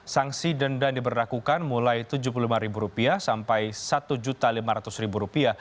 sanksi denda diberlakukan mulai rp tujuh puluh lima sampai rp satu lima ratus